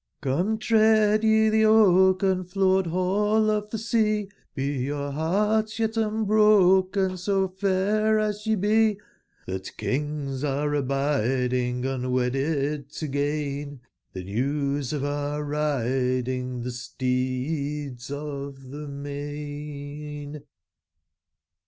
48 Come tread yc the oaken/ floored ball of the seat Be your hearts yet unbroken ; so fair as ye be, Hhat kings are abiding unwedded to gain tibe news of our riding tbe steeds of tbe main.